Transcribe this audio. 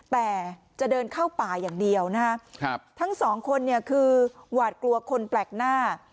แต่จะเดินเข้าป่าอย่างเดียวนะครับทั้งสองคนเนี่ยคือหวาดกลัวคนแปลกหน้า